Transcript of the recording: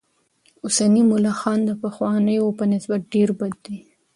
اوسني ملخان د پخوانیو په نسبت ډېر بد دي.